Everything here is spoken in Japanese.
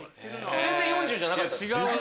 全然４０じゃなかった。